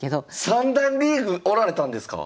三段リーグおられたんですか